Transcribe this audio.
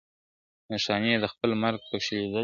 نښانې یې د خپل مرګ پکښي لیدلي ,